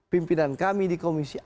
pimpinan kami di komisi